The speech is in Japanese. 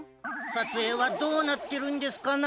さつえいはどうなってるんですかな？